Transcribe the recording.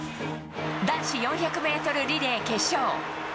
男子４００メートルリレー決勝。